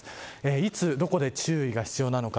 いつ、どこで注意が必要なのか。